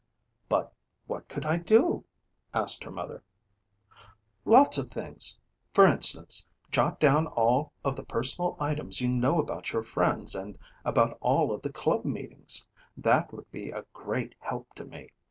"But what could I do?" asked her mother. "Lots of things. For instance, jot down all of the personal items you know about your friends and about all of the club meetings. That would be a great help to me.